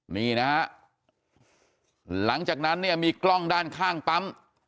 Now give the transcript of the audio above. นี่นะฮะหลังจากนั้นเนี่ยมีกล้องด้านข้างปั๊ม